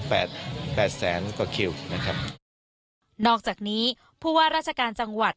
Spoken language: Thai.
แปดแสนกว่านะครับนอกจากนี้เพราะว่าราชการจังหวัด